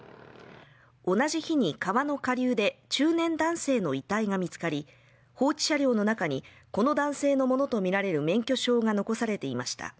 同じ日に川の下流で中年男性の遺体が見つかり放置車両の中にこの男性のものとみられる免許証が残されていました